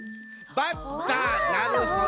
バッターなるほど。